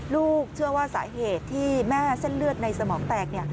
ลูกเชื่อว่าสาเหตุที่แม่เส้นเลือดในสมองแตก